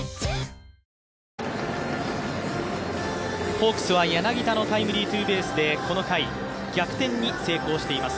ホークスは柳田のタイムリーツーベースでこの回逆転に成功しています。